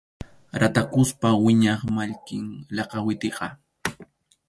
Ratakuspa wiñaq mallkim lakawitiqa.